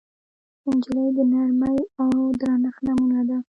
نجلۍ د نرمۍ او درنښت نمونه ده.